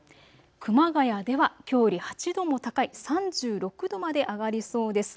熊谷ではきょうより８度も高い３６度まで上がりそうです。